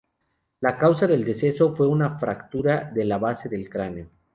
La causa del deceso fue una fractura de la base del cráneo.